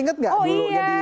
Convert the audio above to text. ingat gak dulu